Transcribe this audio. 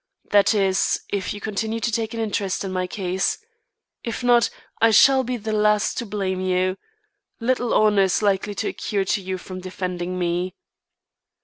That is, if you continue to take an interest in my case. If not, I shall be the last to blame you. Little honour is likely to accrue to you from defending me."